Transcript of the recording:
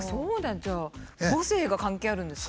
じゃあ母性が関係あるんですね。